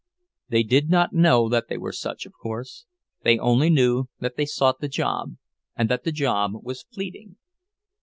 They did not know that they were such, of course; they only knew that they sought the job, and that the job was fleeting.